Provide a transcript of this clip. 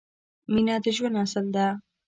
مینه د ژوند اصل ده